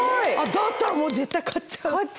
だったらもう絶対買っちゃう。